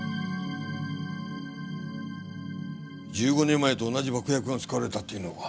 １５年前と同じ爆薬が使われたっていうのか？